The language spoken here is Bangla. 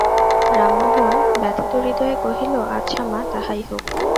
রামমোহন ব্যথিতহৃদয়ে কহিল, আচ্ছা মা, তাহাই হউক।